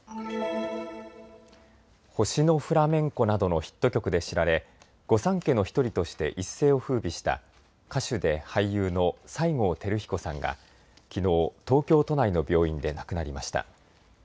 星のフラメンコなどのヒット曲で知られ御三家の１人として一世をふうびした歌手で俳優の西郷輝彦さんがきのう、東京都内の病院で亡くなりました。